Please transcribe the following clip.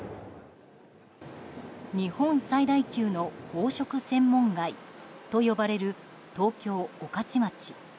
日本最大級の宝飾専門街と呼ばれる東京・御徒町。